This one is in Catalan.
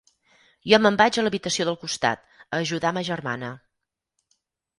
Jo me'n vaig a l'habitació del costat, a ajudar ma germana.